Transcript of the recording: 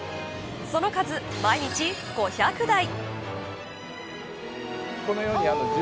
その数、毎日５００台。